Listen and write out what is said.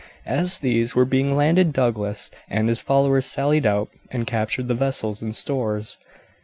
As these were being landed Douglas and his followers sallied out and captured the vessels and stores.